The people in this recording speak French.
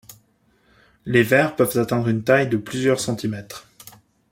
Les vers peuvent atteindre une taille de plusieurs centimètres.